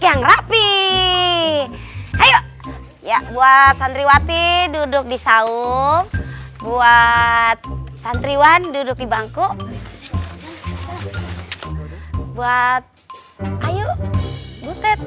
terapi hai ya buat sandriwati duduk di saum buat santriwan duduk di bangku buat ayo butet